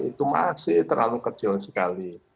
itu masih terlalu kecil sekali